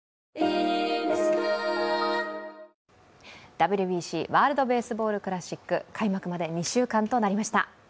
ＷＢＣ＝ワールドベースボールクラシック開幕まで２週間となりました。